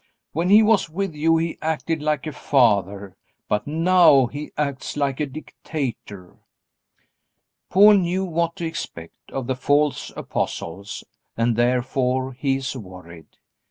When he was with you he acted like a father, but now he acts like a dictator." Paul knew what to expect of the false apostles and therefore he is worried.